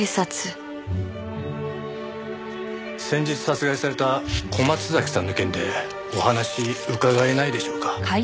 先日殺害された小松崎さんの件でお話伺えないでしょうか？